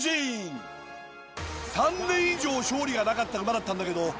３年以上勝利がなかった馬だったんだけど。